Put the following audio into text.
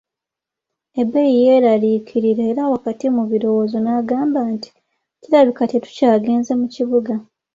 Ebei yeraliikirira era wakati mu birowoozo n'agamba nti, kirabika tetukyagenze mu kibuga .